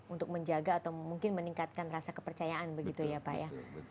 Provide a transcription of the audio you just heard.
untuk menjaga atau mungkin meningkatkan rasa kepercayaan begitu ya pak ya